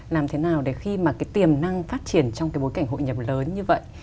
làm thế nào để khi mà cái tiềm năng phát triển trong cái bối cảnh hội nhập lớn như vậy